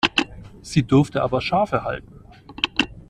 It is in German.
Sie durften aber Schafe halten.